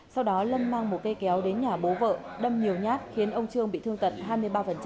sau đó lâm mang một cây kéo đến nhà bố vợ đâm nhiều nhát khiến ông trương bị thương tật hai mươi ba